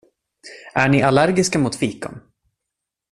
Är ni allergiska mot fikon?